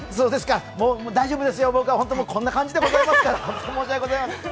もう大丈夫ですよ、僕はもうこんな感じでございますから。